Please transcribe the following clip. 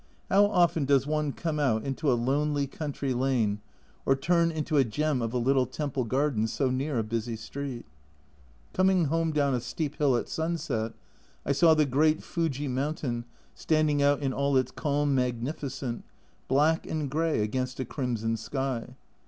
How often does one come out into a lonely country lane, or turn into a gem of a little temple garden so near a busy street ! Coming home down a steep hill at sunset I saw the great Fuji Mountain standing out in all its calm magnificence, black and grey against a crimson sky.